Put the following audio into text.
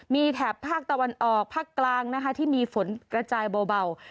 มีแถบภาคตะวันออกภาคกลางนะคะที่มีฝนกระจายเบา